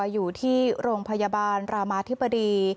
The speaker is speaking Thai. อยู่ที่โรงพยาบาลรามาธิบดี